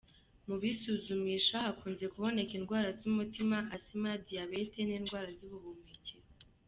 Mu bisuzumisha, hakunze kuboneka indwara z’umutima, Asima, diabète n’indwara z’ubuhumekero.